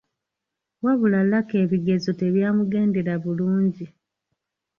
Wabula Lucky ebigezo tebyamugendera bulungi.